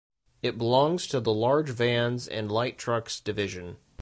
It belongs to the large vans and light trucks division.